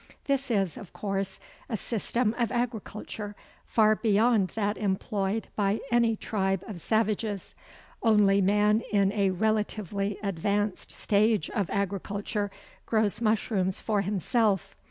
This is, of course, a system of agriculture far beyond that employed by any tribe of savages. Only man in a relatively advanced stage of agriculture grows mushrooms for himself.